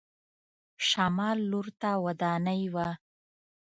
شمال لور ته ودانۍ وه.